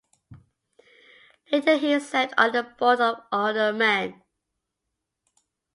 Later he served on the Board of Aldermen.